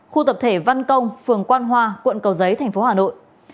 khu tập thể văn công phường quan hoa quận cầu giấy thành phố hà nội